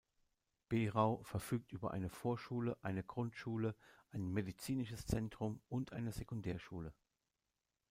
Berau verfügt über eine Vorschule, eine Grundschule, ein medizinisches Zentrum und eine Sekundärschule.